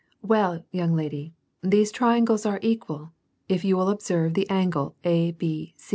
" Well, young lady, these triangles are equal ; if you will observe the angle abc."